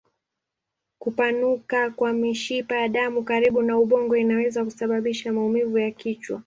Kupanuka kwa mishipa ya damu karibu na ubongo inaweza kusababisha maumivu ya kichwa.